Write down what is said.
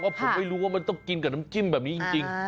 ผมไม่รู้ว่ามันต้องกินกับน้ำจิ้มแบบนี้จริง